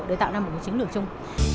để tạo ra một cái chứng lực chung